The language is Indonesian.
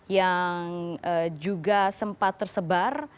yang juga sempat tersebar